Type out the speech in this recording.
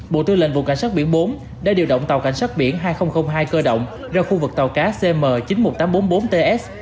bộ tư lệnh vùng cảnh sát biển bốn đã điều động tàu cảnh sát biển hai nghìn hai cơ động ra khu vực tàu cá cm chín mươi một nghìn tám trăm bốn mươi bốn ts